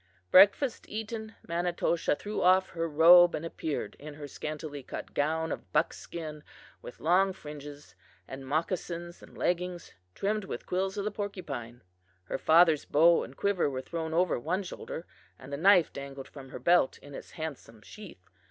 "Breakfast eaten, Manitoshaw threw off her robe and appeared in her scantily cut gown of buckskin with long fringes, and moccasins and leggings trimmed with quills of the porcupine. Her father's bow and quiver were thrown over one shoulder, and the knife dangled from her belt in its handsome sheath.